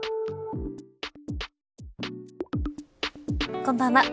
こんばんは。